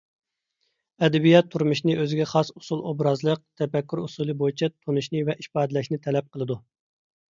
ئەدەبىيات تۇرمۇشنى ئۆزىگە خاس ئۇسۇل – ئوبرازلىق تەپەككۇر ئۇسۇلى بويىچە تونۇشنى ۋە ئىپادىلەشنى تەلەپ قىلىدۇ.